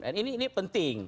dan ini penting